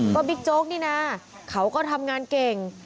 ก็บิ๊กโจ๊กนี่นะเขาก็ทำงานเก่ง